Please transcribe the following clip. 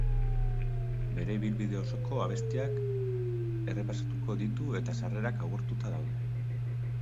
Bere ibilbide osoko abestiak errepasatuko ditu eta sarrerak agortuta daude.